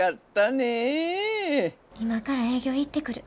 今から営業行ってくる。